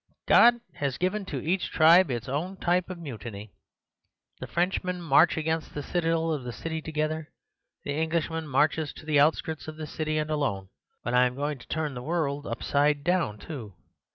God has given to each tribe its own type of mutiny. The Frenchmen march against the citadel of the city together; the Englishman marches to the outskirts of the city, and alone. But I am going to turn the world upside down, too.